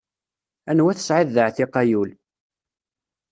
Anwa tesɛiḍ d aɛtiq ay ul!